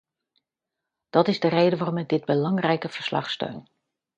Dat is de reden waarom ik dit belangrijke verslag steun.